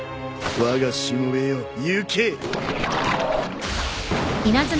わがしもべよ行け！